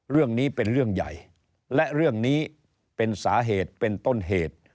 เรื่องนี้เป็นเรื่องใหญ่และเรื่องนี้เป็นสาเหตุเป็นต้นเหตุ